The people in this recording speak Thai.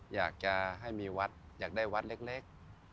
อยากจะให้มีวัดอยากได้วัดเล็ก